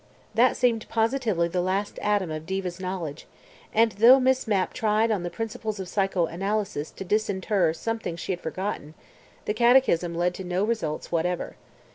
That seemed positively the last atom of Diva's knowledge, and though Miss Mapp tried on the principles of psycho analysis to disinter something she had forgotten, the catechism led to no results whatever.